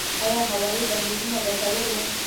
آیا هوایي دهلیزونه ګټور وو؟